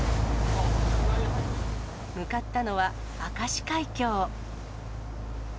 向かったのは、明石海峡。